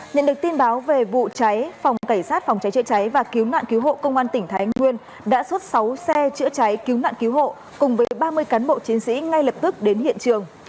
nhận được tin báo về vụ cháy phòng cảnh sát phòng cháy chữa cháy và cứu nạn cứu hộ công an tỉnh thái nguyên đã xuất sáu xe chữa cháy cứu nạn cứu hộ cùng với ba mươi cán bộ chiến sĩ ngay lập tức đến hiện trường